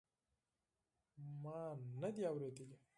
ما ندي اورېدلي.